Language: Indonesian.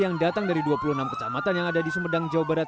yang datang dari dua puluh enam kecamatan yang ada di sumedang jawa barat